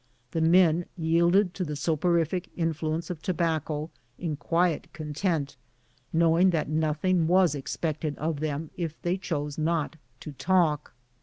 The men yielded to the soporific influence of tobacco, in quiet content, knowing that nothing was expected of them if they chose not to talk.